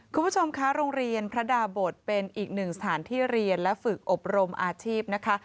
คุณผู้ชมคะโรงเรียนพระดาบทเป็นอีกหนึ่งสถานที่เรียนและฝึกอบรมอาชีพนะคะ